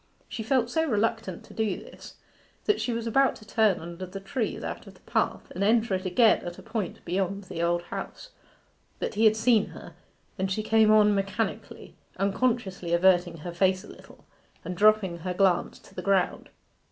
She felt so reluctant to do this, that she was about to turn under the trees out of the path and enter it again at a point beyond the Old House; but he had seen her, and she came on mechanically, unconsciously averting her face a little, and dropping her glance to the ground.